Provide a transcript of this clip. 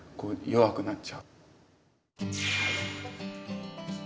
弱くなっちゃう。